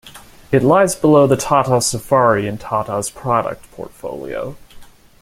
It lies below the Tata Safari in Tata's product portfolio.